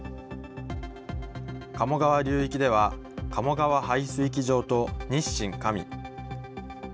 鴨川流域では鴨川排水機場と日進上。